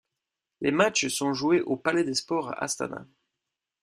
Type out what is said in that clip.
Les matchs sont joués au Palais des Sports à Astana.